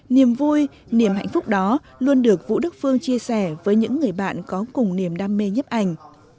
niềm vui niềm hạnh phúc đó luôn được vũ đức phương chia sẻ với những người bạn có cùng niềm đam mê nhấp ảnh